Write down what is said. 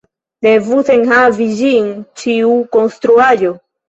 Devus enhavi ĝin ĉiu konstruaĵo.